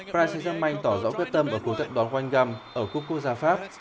paris saint germain tỏ rõ quyết tâm ở cuộc tập đón quanh găm ở cucuza pháp